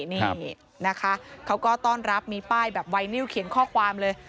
นี่นะคะเขาก็ต้อนรับมีป้ายแบบไวนิวเขียนข้อความเลย